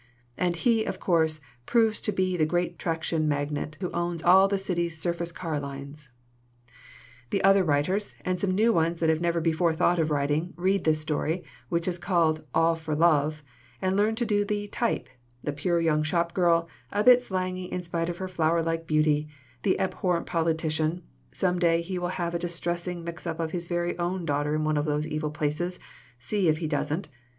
And he, of course, proves to be the great traction magnate who owns all the city's surface car lines. "The other writers, and some new ones that never before thought of writing, read this story, which is called 'All for Love/ and learn to do the 'type' the pure young shopgirl, a bit slangy in spite of her flower like beauty ; the abhorrent poli tician (some day he will have a distressing mix up with his very own daughter in one of these evil places see if he doesn't!)